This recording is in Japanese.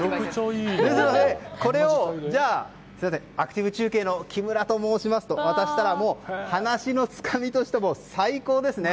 これをアクティブ中継の木村と申しますと渡したら話のつかみとしても最高ですね。